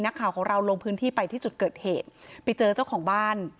นักข่าวของเราลงพื้นที่ไปที่จุดเกิดเหตุไปเจอเจ้าของบ้าน